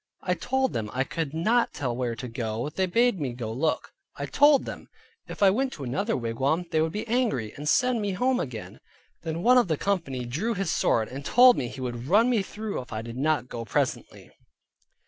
I told them, I could not tell where to go, they bade me go look; I told them, if I went to another wigwam they would be angry, and send me home again. Then one of the company drew his sword, and told me he would run me through if I did not go presently.